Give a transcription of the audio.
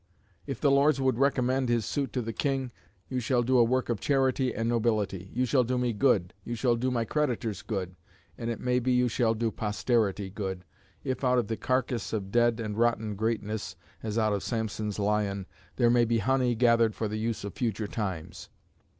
If the Lords would recommend his suit to the King, "You shall do a work of charity and nobility, you shall do me good, you shall do my creditors good, and it may be you shall do posterity good, if out of the carcase of dead and rotten greatness (as out of Samson's lion) there may be honey gathered for the use of future times."